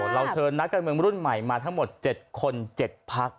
เราเชิญนักการเมืองรุ่นใหม่มาทั้งหมด๗คน๗พัก